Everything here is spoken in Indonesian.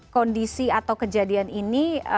kondisi atau kejadian ini